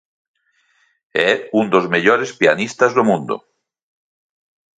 É un dos mellores pianistas do mundo.